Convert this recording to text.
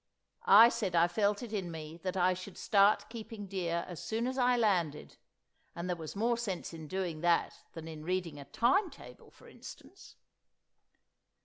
I said I felt it in me that I should start keeping deer as soon as I landed, and there was more sense in doing that than in reading a Time Table, for instance!